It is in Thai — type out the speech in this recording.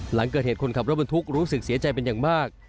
หลังเกิดเหตุคนขับรถบรรทุกรู้สึกเสียใจเป็นอย่างมาก